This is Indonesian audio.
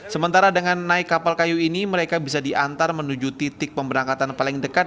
sementara dengan naik kapal kayu ini mereka bisa diantar menuju titik pemberangkatan paling dekat